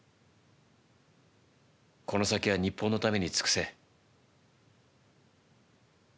この先は日本のために尽くせ。